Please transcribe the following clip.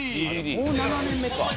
「もう７年目か」